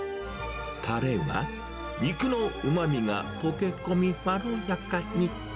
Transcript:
たれは、肉のうまみが溶け込みまろやかに。